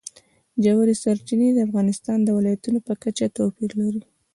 ژورې سرچینې د افغانستان د ولایاتو په کچه توپیر لري.